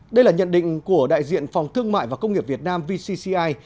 đây là nhận định của đại diện phòng thương mại và công nghiệp việt nam vcci